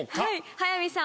速水さん